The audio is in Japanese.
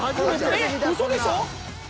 えっうそでしょ。